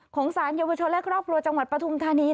สารเยาวชนและครอบครัวจังหวัดปฐุมธานี